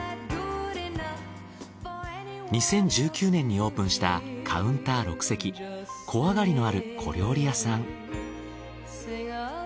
２０１９年にオープンしたカウンター６席小上がりのある小料理屋さん。